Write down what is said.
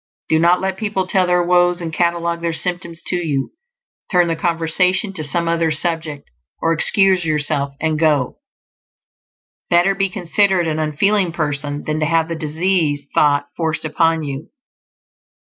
Do not let people tell their woes and catalogue their symptoms to you; turn the conversation to some other subject, or excuse yourself and go. Better be considered an unfeeling person than to have the disease thought forced upon you.